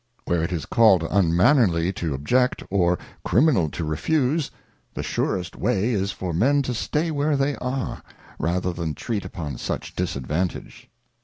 Where it is called unmannerly to object, or criminal to refuse, the surest way is for men to stay where they are, rather than treat upon such disadvantage.